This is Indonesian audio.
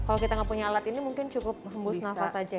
kalau kita nggak punya alat ini mungkin cukup hembus nafas saja ya